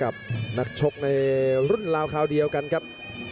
กับนักชกของให้เรื่องรุ่นราวขาวเดียวกันครับ